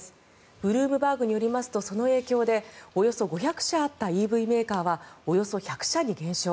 ブルームバーグによりますとその影響でおよそ５００社あったＥＶメーカーはおよそ１００社に減少。